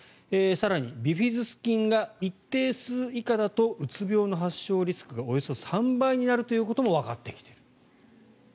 更にビフィズス菌が一定数以下だとうつ病の発症リスクがおよそ３倍になるということもわかってきている。